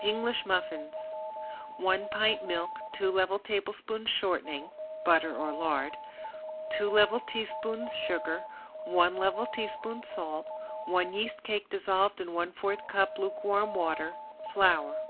~ENGLISH MUFFINS~ One pint milk, two level tablespoons shortening (butter or lard), two level teaspoons sugar, one level teaspoon salt, one yeast cake dissolved in one fourth cup lukewarm water, flour.